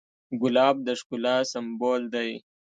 ګلاب د ښکلا سمبول دی.